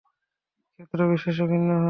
ক্ষেত্রবিশেষে ভিন্ন হয়।